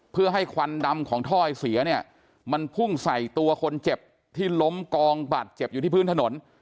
เพื่อให้ควันดำของถ้อยเสียเนี่ยมันพุ่งใส่ตัวคนเจ็บที่ล้มกองบาดเจ็บอยู่ที่พื้นถนน